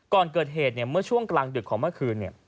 ก่อนเกิดเหตุเมื่อช่วงกลางดึกของเมื่อคืน